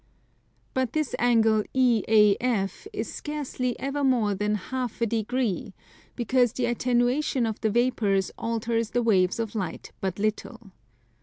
But this angle EAF is scarcely ever more than half a degree because the attenuation of the vapours alters the waves of light but little.